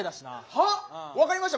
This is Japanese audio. はっ⁉分かりました！